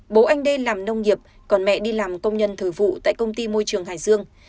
bố anh đê làm nông nghiệp còn mẹ đi làm công nhân thời vụ tại công ty môi trường hải dương